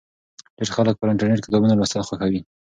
ډیر خلک پر انټرنېټ کتابونه لوستل خوښوي.